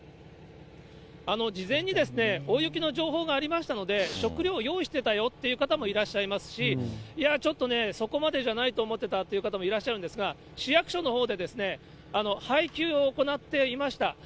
事前に大雪の情報がありましたので、食料用意していたよという方もいらっしゃいますし、いやー、ちょっとね、そこまでじゃないと思っていたという方もいらっしゃるんですが、市役所のほうで配給を行っていました。